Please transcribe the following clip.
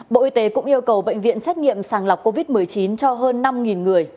bộ y tế cũng yêu cầu bệnh viện xét nghiệm sàng lọc covid một mươi chín cho hơn năm người